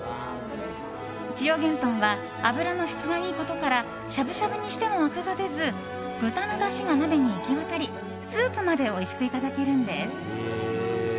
千代幻豚は脂の質がいいことからしゃぶしゃぶにしてもアクが出ず豚のだしが鍋に行き渡りスープまでおいしくいただけるんです。